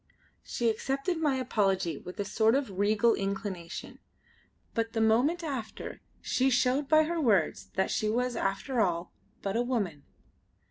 She accepted my apology with a sort of regal inclination; but the moment after she showed by her words she was after all but a woman!